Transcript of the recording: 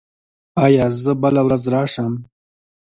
ایا زه بله ورځ راشم؟